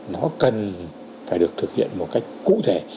nó cần phải được thực hiện một cách cụ thể